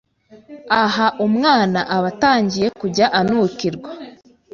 Aha umwana aba atangiye kujya anukirwa,